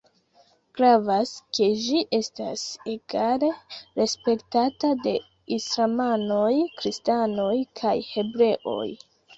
Gravas, ke ĝi estas egale respektata de islamanoj, kristanoj kaj hebreoj.